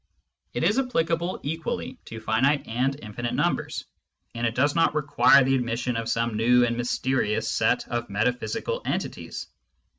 It is applicable equally to finite and infinite numbers, and it does not require the admission of some new and mysterious set of metaphysical entities.